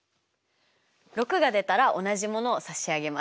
６が出たら同じものを差し上げますよ。